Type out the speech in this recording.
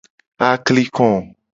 Akliko.